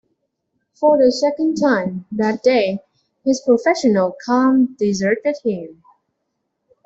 For the second time that day his professional calm deserted him.